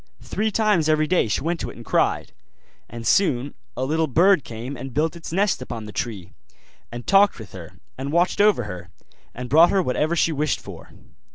Three times every day she went to it and cried; and soon a little bird came and built its nest upon the tree, and talked with her, and watched over her, and brought her whatever she wished for.